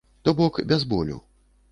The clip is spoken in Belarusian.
То бок без болю.